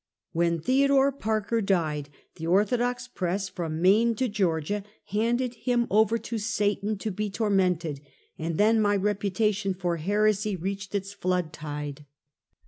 When Theodore Parker died, the orthodox press from Maine to Georgia, handed him over to Satan to be tormented; and then my reputation for heresy reached its flood tide.